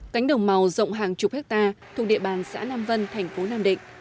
cánh đồng màu rộng hàng chục hectare thuộc địa bàn xã nam vân thành phố nam định